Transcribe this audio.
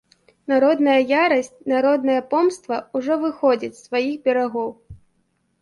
Народная ярасць, народная помста ўжо выходзіць з сваіх берагоў.